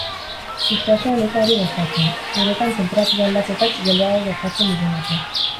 Itsasoan ez da hori gertatzen, uretan tenperatura aldaketak geldoago gertatzen direlako.